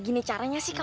iya cawalan istriku